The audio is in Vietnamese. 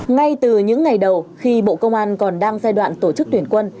ngay từ những ngày đầu khi bộ công an còn đang giai đoạn tổ chức tuyển quân